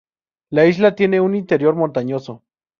La isla tiene un interior montañoso.